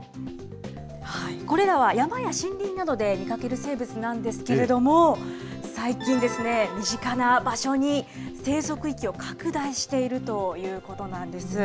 これらは山や森林などで見かける生物なんですけれども、最近ですね、身近な場所に生息域を拡大しているということなんです。